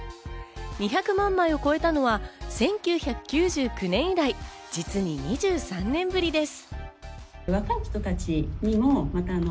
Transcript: ２００万枚を超えたのは１９９９年以来、実に２３年ぶりです。